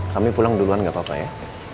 kami pulang duluan gak apa apa ya